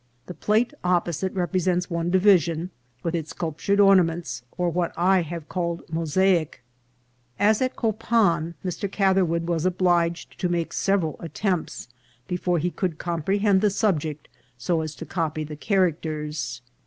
The plate opposite represents one division, with its sculp tured ornaments, or what I have called mosaic.* As at Copan, Mr. Catherwood was obliged to make several attempts before he could comprehend the subject so as to copy the characters.